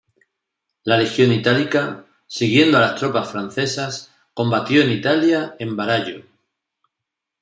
La Legión Italica, siguiendo a las tropas francesas, combatió en Italia en Varallo.